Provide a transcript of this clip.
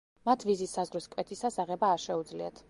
მათ ვიზის საზღვრის კვეთისას აღება არ შეუძლიათ.